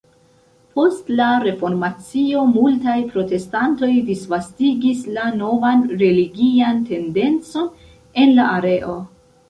Post la Reformacio, multaj protestantoj disvastigis la novan religian tendencon en la areo.